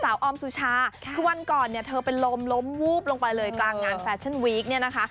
ออมสุชาคือวันก่อนเนี่ยเธอเป็นลมล้มวูบลงไปเลยกลางงานแฟชั่นวีคเนี่ยนะคะ